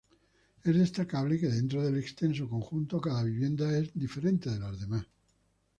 Es destacable que dentro del extenso conjunto cada vivienda es diferente de las demás.